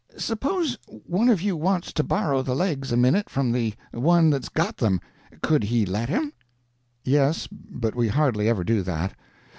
Suppose one of you wants to borrow the legs a minute from the one that's got them, could he let him?" "Yes, but we hardly ever do that.